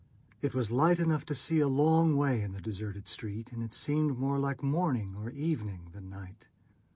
It was light enough to see a long way in the deserted street and it seemed more like morning or evening than night.